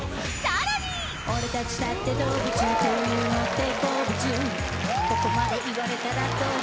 俺たちだって動物こーゆーのって好物ここまで言われたらどう？